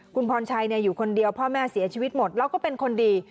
คุณพรชัยอยู่คนเดียวพ่อแม่เสียชีวิตหมดแล้วก็เป็นคนดี